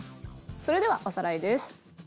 それではおさらいです。